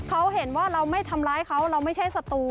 เขาเห็นว่าเราไม่ทำร้ายเขาเราไม่ใช่ศัตรู